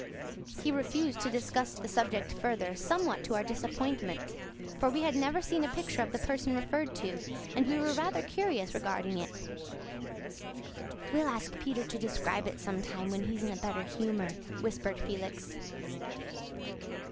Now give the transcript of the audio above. He refused to discuss the subject further, somewhat to our disappointment. For we had never seen a picture of the person referred to, and we were rather curious regarding it. "We'll ask Peter to describe it sometime when he's in a better humour," whispered Felix.